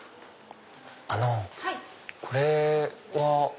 あのこれは。